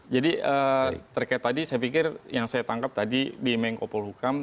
jadi terkait tadi saya pikir yang saya tangkap tadi bimn kopolhukam